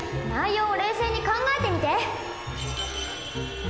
内容を冷静に考えてみて。